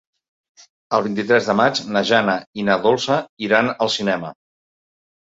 El vint-i-tres de maig na Jana i na Dolça iran al cinema.